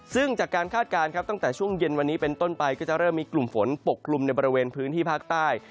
ซึ่งจากการคาดการณ์ครับตั้งแต่ช่วงเย็นวันนี้เป็นต้นไปก็จะเริ่มมีกลุ่มฝนปกกลุ่มในบริเวณพื้นที่ภาคใต้